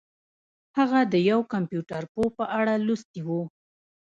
هغه د یو کمپیوټر پوه په اړه لوستي وو